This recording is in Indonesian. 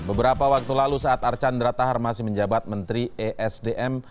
beberapa waktu lalu saat archandra tahar masih menjabat menteri esdm